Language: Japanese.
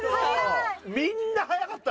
みんな速かった。